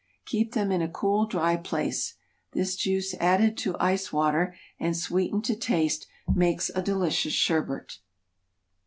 Keep them in a cool, dry place. This juice added to ice water, and sweetened to taste, makes a delicious sherbet.